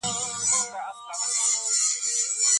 تنظیمول د بریالیتوب نیمایي برخه ده.